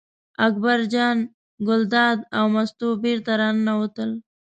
اکبر جان ګلداد او مستو بېرته راننوتل.